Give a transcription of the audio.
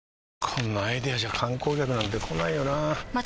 こんなアイデアじゃ観光客なんて来ないよなあ